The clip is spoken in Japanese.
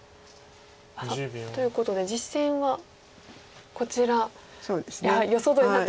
さあということで実戦はこちらやはり予想どおりになってますよ。